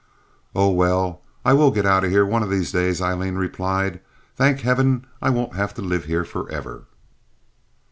"Oh, well, I will get out one of these days," Aileen replied. "Thank heaven I won't have to live here forever."